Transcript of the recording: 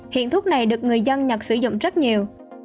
hiện thuốc này được người dân nhặt sử dụng rất nhiều